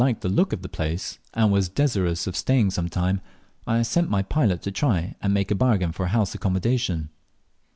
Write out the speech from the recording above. As I liked the look of the place, and was desirous of staying some time, I sent my pilot to try and make a bargain for house accommodation.